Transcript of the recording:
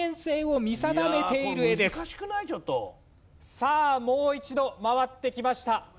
さあもう一度回ってきました。